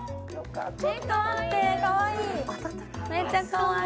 かわいい！